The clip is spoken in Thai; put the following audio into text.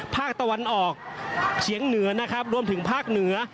ภาคตะวันออกเฉียงเหนือนะครับรวมถึงภาคเหนือ